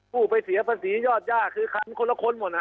ผู้ไปเสียภาษียอดย่าคือคันคนละคนหมด